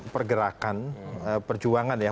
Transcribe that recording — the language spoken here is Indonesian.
pergerakan perjuangan ya